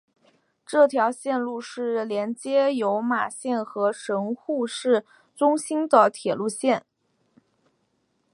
这条线路是连接有马线和神户市中心的铁路线。